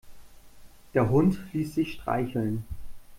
Der Hund ließ sich streicheln.